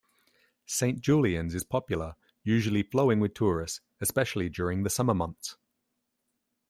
Saint Julian's is popular, usually flowing with tourists, especially during the summer months.